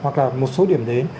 hoặc là một số điểm đến